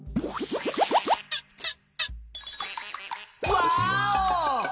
ワーオ！